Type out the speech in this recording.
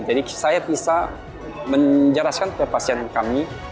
jadi saya bisa menjelaskan kepada pasien kami